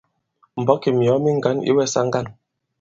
M̀mbɔ̌k ì myɔ̀ɔ mi ŋgǎn ǐ wɛsa ŋgân.